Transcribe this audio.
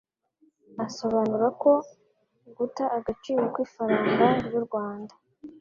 asobanura ko 'Guta agaciro kw'ifaranga ry'u Rwanda